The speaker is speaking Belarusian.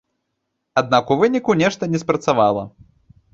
Аднак у выніку нешта не спрацавала.